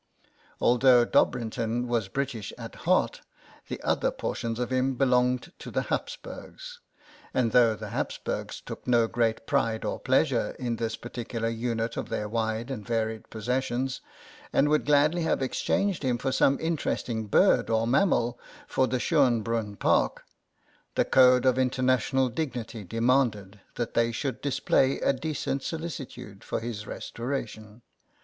Although Dobrinton was British at heart, the other portions of him belonged to the Habs burgs, and though theHabsburgs took no great pride or pleasure in this particular unit of their wide and varied possessions, and would gladly have exchanged him for some interesting bird or mammal for the Schoenbrunn Park, the code of international dignity demanded that they should display a decent solicitude for his re storation.